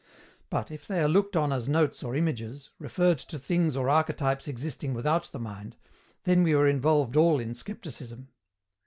But, if they are looked on as notes or images, referred to things or archetypes existing without the mind, then are we involved all in scepticism.